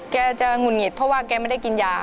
พี่จะหัวงิตเพราะไม่ได้กินยา